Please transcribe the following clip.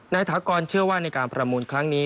ถากรเชื่อว่าในการประมูลครั้งนี้